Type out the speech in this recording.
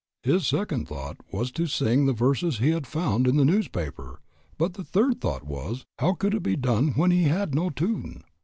His second thought was to sing the verses he had found in the newspaper, but the third thought was, how could it be done when he had no tune.